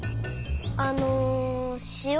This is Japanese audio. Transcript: あのしお